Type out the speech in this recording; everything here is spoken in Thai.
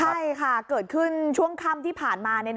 ใช่ค่ะเกิดขึ้นช่วงค่ำที่ผ่านมา